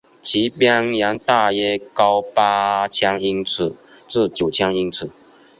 其边缘大约高八千英尺至九千英尺。